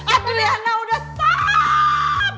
aduh riana udah stop